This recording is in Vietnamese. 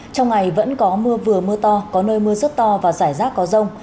trong ngày vẫn có mưa vừa mưa to có nơi mưa rất to và rải rác có rông